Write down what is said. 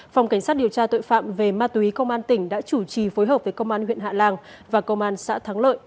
phòng cảnh sát điều tra tội phạm về ma túy công an tỉnh đã chủ trì phối hợp với công an huyện hạ làng và công an xã thắng lợi